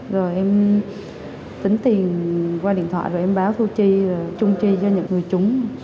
rồi em tính tiền qua điện thoại rồi em báo thu chi trung chi cho những người chúng